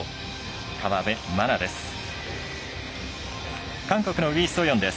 河辺愛菜です。